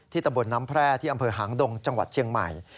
ตำบลน้ำแพร่ที่อำเภอหางดงจังหวัดเชียงใหม่